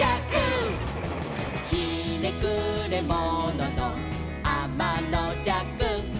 「ひねくれもののあまのじゃく」